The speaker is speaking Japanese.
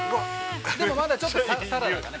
でも、まだちょっとサラダがね